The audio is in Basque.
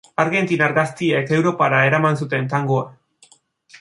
Argentinar gazteek Europara eraman zuten tangoa.